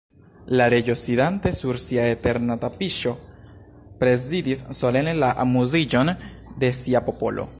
La Reĝo, sidante sur sia eterna tapiŝo, prezidis solene la amuziĝon de sia popolo.